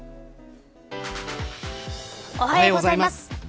おはようございます。